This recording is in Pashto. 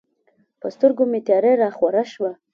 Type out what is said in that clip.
په سترګو مې تیاره راخوره شوه.